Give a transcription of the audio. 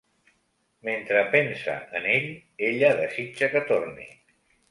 Mentre pensa en ell, ella desitja que torni.